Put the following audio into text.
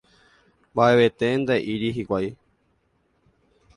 Mba'evete nde'íri hikuái.